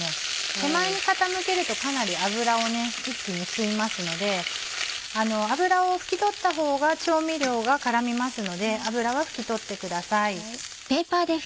手前に傾けるとかなり脂を一気に吸いますので脂を拭き取った方が調味料が絡みますので脂は拭き取ってください。